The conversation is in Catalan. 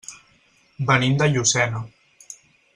Venim de Llucena.